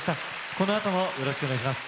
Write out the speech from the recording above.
このあともよろしくお願いします。